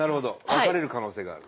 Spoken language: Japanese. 分かれる可能性がある？